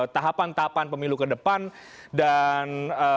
tahapan tahapan pemilu ke depan dan